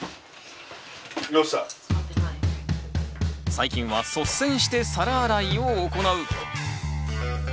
最近は率先して皿洗いを行う。